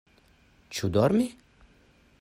Ĉu dormi?